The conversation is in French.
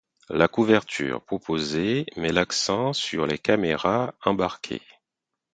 La couverture proposée met l'accent sur les caméras embarquées.